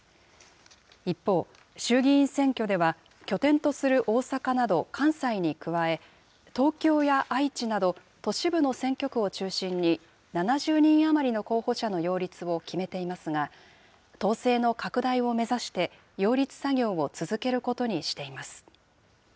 一方、衆議院選挙では、拠点とする大阪など、関西に加え、東京や愛知など、都市部の選挙区を中心に、７０人余りの候補者の擁立を決めていますが、党勢の拡大を目指して、擁立作業を続けることにしています。